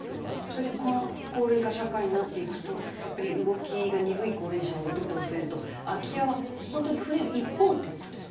それでこの高齢化社会になっていくとやっぱり動きが鈍い高齢者がどんどん増えると空き家は本当に増える一方って事ですか？